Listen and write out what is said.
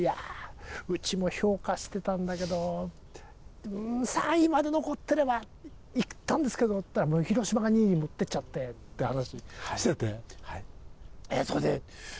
「うちも評価してたんだけど３位まで残ってれば行ったんですけど」っていったら「広島が２位に持ってっちゃって」っていう話してて。